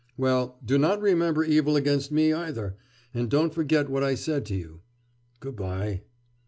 'Well, do not remember evil against me either, and don't forget what I said to you. Good bye.